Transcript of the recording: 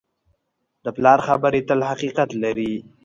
د پلار خبرې تل حقیقت لري.